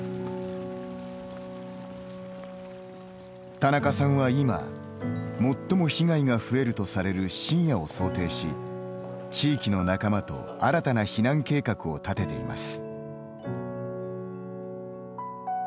田中さんは今、最も被害が増えるとされる深夜を想定し地域の仲間と新たな避難計画を立てています。